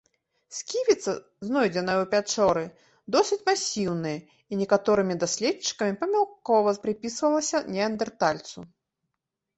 Сківіца, знойдзеная ў пячоры, досыць масіўная і некаторымі даследчыкамі памылкова прыпісвалася неандэртальцу.